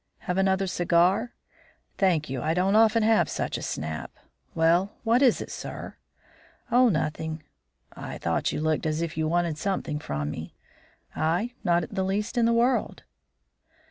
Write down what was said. "Have another cigar?" "Thank you. I don't often have such a snap. Well, what is it, sir?" "Oh, nothing." "I thought you looked as if you wanted something from me." "I? Not the least in the world."